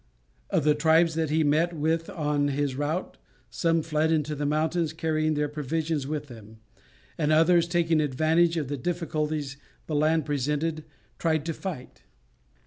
Of the tribes that he met with on his route, some fled into the mountains carrying their provisions with them, and others, taking advantage of the difficulties the land presented, tried to fight.